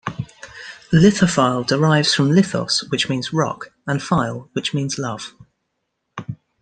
Lithophile derives from "lithos" which means "rock", and "phile" which means "love".